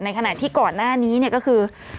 ในขณะที่ก่อนหน้านี้ก็คือ